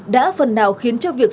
đã phần nào khiến cho việc